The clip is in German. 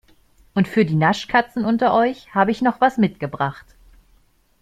Und für die Naschkatzen unter euch habe ich noch was mitgebracht.